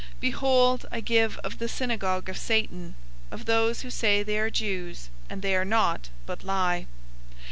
003:009 Behold, I give of the synagogue of Satan, of those who say they are Jews, and they are not, but lie.